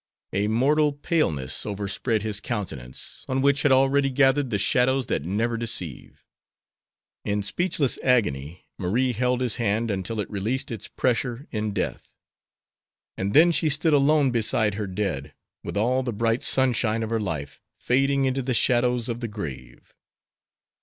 A mortal paleness overspread his countenance, on which had already gathered the shadows that never deceive. In speechless agony Marie held his hand until it released its pressure in death, and then she stood alone beside her dead, with all the bright sunshine of her life fading into the shadows of the grave.